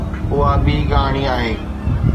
اها ٻي ڪهاڻي آهي.